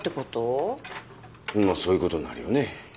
まあそういうことになるよね。